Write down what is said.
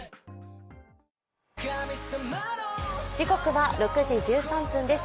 時刻は６時１３分です。